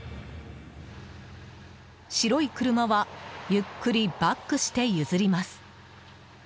白い車はゆっくりバックして譲ります。